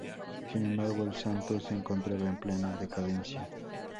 Sin embargo el Santos se encontraba en plena decadencia.